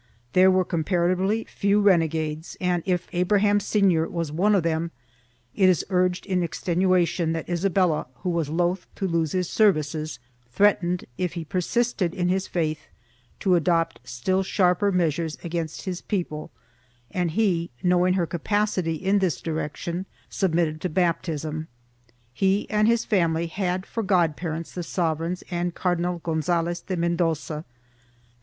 There were comparatively few renegades and, if Abraham Senior was one of them, it is urged in extenuation that Isabella, who was loath to lose his services, threatened, if he persisted in his faith, to adopt still sharper measures against his people and he, knowing her capacity in this direction, sub mitted to baptism; he and his family had for god parents the sovereigns and Cordinal Gonzalez de Mendoza; they assumed the 1 Lindo, History of the Jews, p. 287.